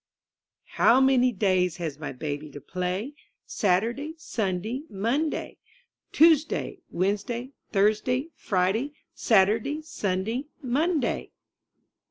TTOW many days has my baby to play? ' Saturday, Sunday, Monday — Tuesday, Wednesday, Thursday, Friday, Saturday, Sunday, Monday.